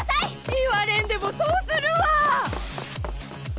言われんでもそうするわぁ！